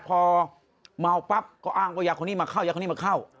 พอเมาปั๊บก็อ้างว่ายาคนนี้มาเข้ายาคนนี้มาเข้า